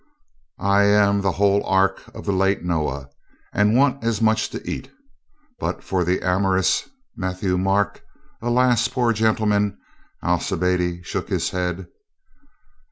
"I am the whole ark of the late Noah. And want as much to eat. But for the .amorous Mat thieu Marc — alas, poor gentleman!" Alcibiade shook his head.